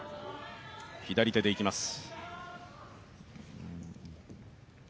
左手でいきます。